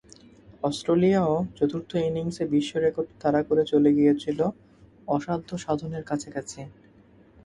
অস্ট্রেলিয়াও চতুর্থ ইনিংসে বিশ্ব রেকর্ড তাড়া করে চলে গিয়েছিল অসাধ্য সাধনের কাছাকাছি।